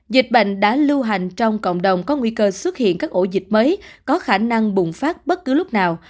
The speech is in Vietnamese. dịch bệnh đã lưu hành trong cộng đồng có nguy cơ xuất hiện các ổ dịch mới có khả năng bùng phát bất cứ lúc nào